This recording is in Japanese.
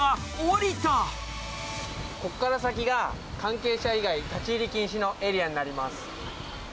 ここから先が、関係者以外立ち入り禁止のエリアになります。